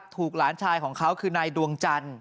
หลานชายของเขาคือนายดวงจันทร์